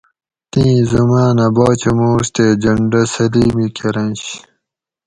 تیں زمانہ باچہ مورش تے جھنڈہ سلیمی کۤرںش